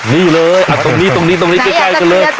นี่เลยอะตรงนี้ใกล้กันเลย